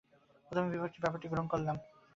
প্রথমে ভিতরের ব্যাপারটি গ্রহণ করিলাম।